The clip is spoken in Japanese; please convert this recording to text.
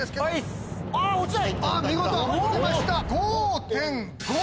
見事量れました。